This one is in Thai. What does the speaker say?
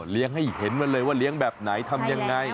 เลี้ยงให้เห็นกันเลยว่าเลี้ยงแบบไหนทำอย่างไร